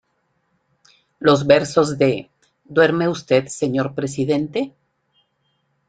Los versos de "¿Duerme usted, señor Presidente?